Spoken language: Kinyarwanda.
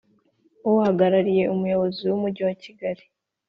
Uhagarariye Umuyobozi w Umujyi wa Kigali